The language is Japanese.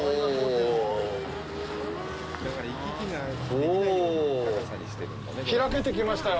オォ開けてきましたよ！